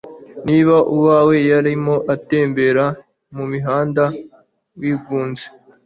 Niba Uwawe yarimo atembera mumuhanda wigunze